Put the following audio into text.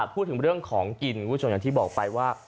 พูดถึงเรื่องของกินคุณผู้ชมอย่างที่บอกไปว่า